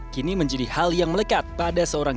kini menjadi hal yang melekat pada seorang